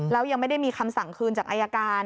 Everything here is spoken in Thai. แล้วยังไม่ได้มีคำสั่งคืนจากอายการ